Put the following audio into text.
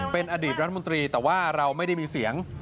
เป็นอดีตรัฐมนตรีแต่ว่าเราไม่ได้มีเสียง